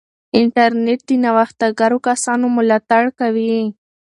انټرنیټ د نوښتګرو کسانو ملاتړ کوي.